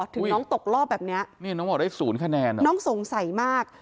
ถึงน้องตกรอบแบบนี้น้องสงสัยมาก